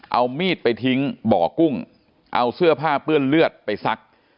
เอามีดไปทิ้งบ่อกุ้งเอาเสื้อผ้าเปื้อนเลือดไปซัก